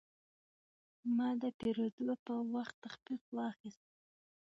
ما د پیرود پر وخت تخفیف واخیست.